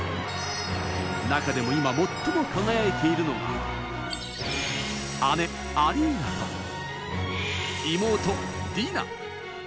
中でも今最も輝いているのが姉・アリーナと妹・ディナ。